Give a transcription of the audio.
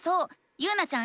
ゆうなちゃん